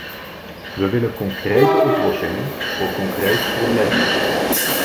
We willen concrete oplossingen voor concrete problemen.